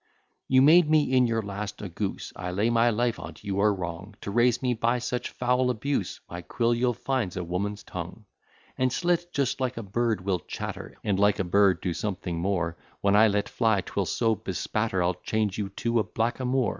You made me in your last a goose; I lay my life on't you are wrong, To raise me by such foul abuse; My quill you'll find's a woman's tongue; And slit, just like a bird will chatter, And like a bird do something more; When I let fly, 'twill so bespatter, I'll change you to a black a moor.